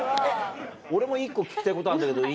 俺も１個聞きたいことあるんだけどいい？